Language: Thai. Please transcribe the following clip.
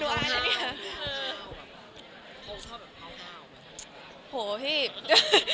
แบบว่าเป็นเพื่อนกันอะเนาะมันจะรู้จะหนูเป็นอะไรอย่างเงี้ย